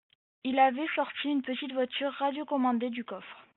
ils avaient sorti une petite voiture radio commandée du coffre